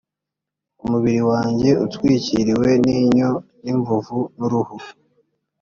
umubiri wanjye utwikiriwe n inyo n imvuvu uruhu